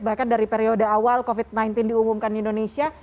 bahkan dari periode awal covid sembilan belas diumumkan di indonesia